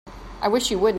I wish you wouldn't.